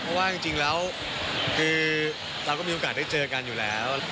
เพราะว่าจริงแล้วคือเราก็มีโอกาสได้เจอกันอยู่แล้ว